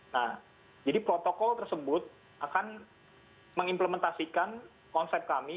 nah jadi protokol tersebut akan mengimplementasikan konsep kami